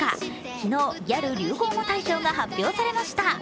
昨日、ギャル流行語大賞が発表されました。